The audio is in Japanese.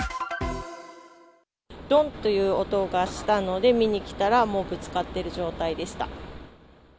どんという音がしたので、見に来たら、もうぶつかってる状態でした。